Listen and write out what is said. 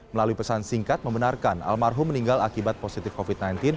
melalui pesan singkat membenarkan almarhum meninggal akibat positif covid sembilan belas